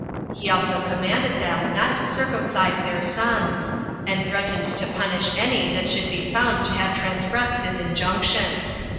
He also commanded them not to circumcise their sons, and threatened to punish any that should be found to have transgressed his injunction.